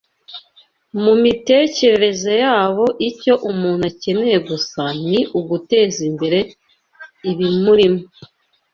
Mu mitekerereze yabo, icyo umuntu akeneye gusa ni uguteza imbere ibimurimo